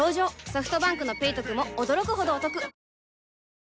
ソフトバンクの「ペイトク」も驚くほどおトク